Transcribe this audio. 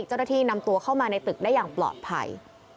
เจ้าหน้าที่นำตัวเข้ามาในตึกได้อย่างปลอดภัย